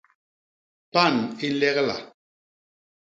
Pan i nlegla.